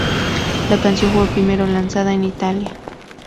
La canción fue primero lanzada en Italia.